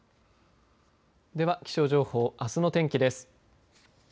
では気象情報、あすの天気です。